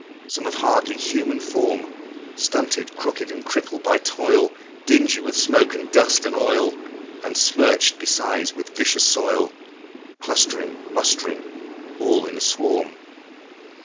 Some, of hardly human form, Stunted, crooked, and crippled by toil; Dingy with smoke and dust and oil, And smirch'd besides with vicious soil, Clustering, mustering, all in a swarm.